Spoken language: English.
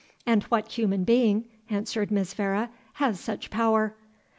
"And what human being," answered Miss Vere, "has such power?"